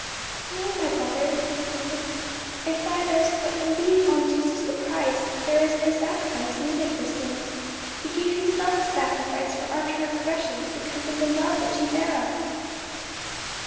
"Nay, my brother," said Stephen, "if thou dost but believe on Jesus the Christ, there is no sacrifice needed for sin; he gave himself a sacrifice for our transgressions because of the love which he bare us."